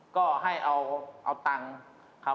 ก็ให้เอาตังค์